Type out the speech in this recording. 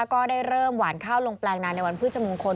ก็ได้เริ่มหวานเข้าลงปลางนานมาแบบพรึชมองคล